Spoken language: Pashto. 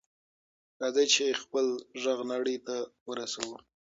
راځئ چې خپل غږ نړۍ ته ورسوو.